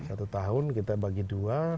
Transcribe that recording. satu tahun kita bagi dua